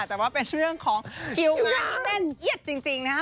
แต่ว่าเป็นเรื่องของคิวงานที่แน่นเอียดจริงนะฮะ